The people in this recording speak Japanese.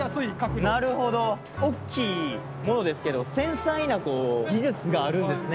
大きいものですけど繊細な技術があるんですね。